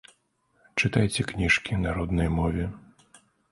Чытайце кніжкі на роднай мове!